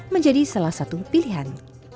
menjadi salah satu pilihan